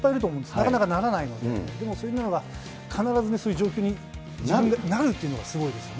なかなかならないので、でもそういうのが必ず、そういう状況になるというのがすごいですよね。